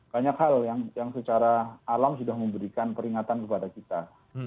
banyak hal yang secara alam sudah memberikan peringatan kepada kita